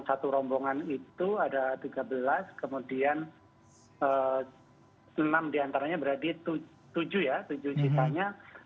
satu rombongan itu ada tiga belas kemudian enam diantaranya berarti tujuh ya tujuh sitanya